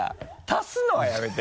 足すのはやめて。